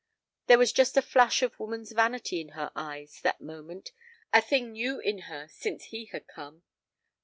There was just a flash of woman's vanity in her eyes that moment, a thing new in her since he had come.